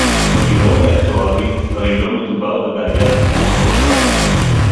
בגירעון האקטוארי הרי לא מדובר בבעיה שתפרוץ מחר